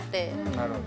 なるほど。